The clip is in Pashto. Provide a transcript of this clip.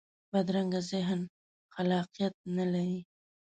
بدرنګه ذهن خلاقیت نه لري